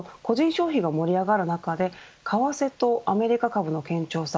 消費が盛り上がる中で為替とアメリカ株の堅調さ